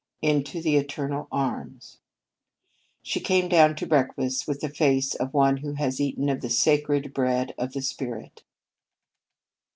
"Into the Eternal Arms." She came down to breakfast with the face of one who has eaten of the sacred bread of the spirit.